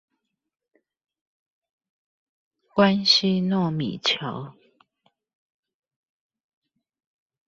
關西糯米橋